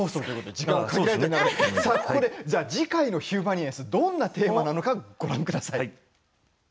次回の「ヒューマニエンス」のテーマをご覧ください。